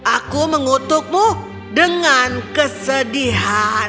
aku mengutukmu dengan kesedihan